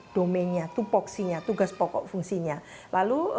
domainnya tugas pokok fungsinya